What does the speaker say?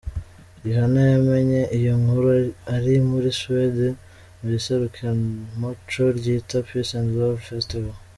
Rihanna yamenye iyi nkuru ari muri Swede mu iserukiramuco ryitwa Peace and Love Festival.